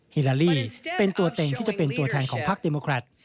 ฮิลาลีเป็นตัวเต็งที่จะเป็นตัวแทนของพักเตโมครัฐ